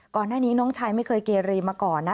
ก่อนหน้านี้น้องชายไม่เคยเกรีมาก่อนนะ